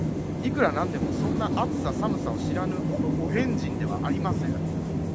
いくら何でも、そんな、暑さ寒さを知らぬお変人ではありません